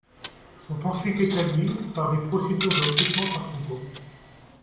Sont ensuite établies des procédures de recrutement par concours.